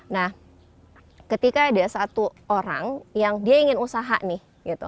nah ketika ada satu orang yang dia ingin usaha nih gitu